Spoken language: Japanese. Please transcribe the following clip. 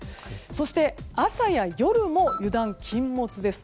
そして朝や夜も油断禁物です。